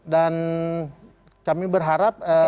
dan kami berharap